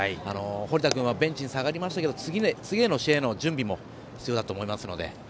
堀田君はベンチに下がりましたが次の試合への準備も必要だと思いますので。